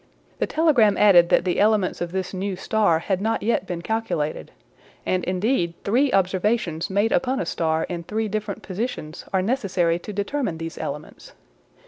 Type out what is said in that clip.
The telegram added that the elements of this new star had not yet been calculated; and indeed three observations made upon a star in three different positions are necessary to determine these elements.